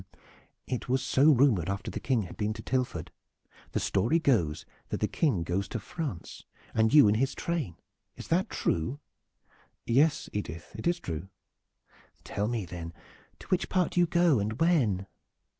"It was so rumored after the King had been to Tilford. The story goes that the King goes to France and you in his train. Is that true?" "Yes, Edith, it is true." "Tell me, then, to what part you go, and when?"